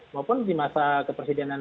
maupun di masa kepresidenan